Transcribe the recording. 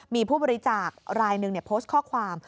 มีผู้บริจาครายหนึ่งโพสต์ข้อความ